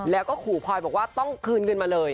แล้วก็ขู่พลอยบอกว่าต้องคืนเงินมาเลย